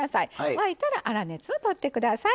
沸いたら粗熱をとって下さい。